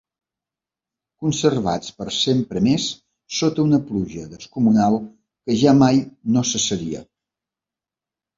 Conservats per sempre més sota una pluja descomunal que ja mai no cessaria.